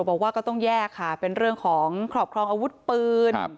บอกว่าก็ต้องแยกค่ะเป็นเรื่องของครอบครองอาวุธปืน